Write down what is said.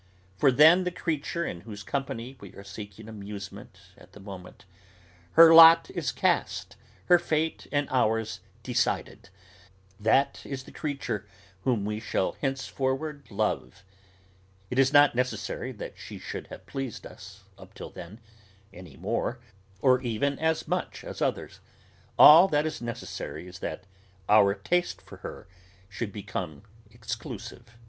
For then the creature in whose company we are seeking amusement at the moment, her lot is cast, her fate and ours decided, that is the creature whom we shall henceforward love. It is not necessary that she should have pleased us, up till then, any more, or even as much as others. All that is necessary is that our taste for her should become exclusive.